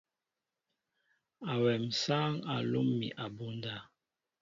Awem sááŋ a lóm mi abunda.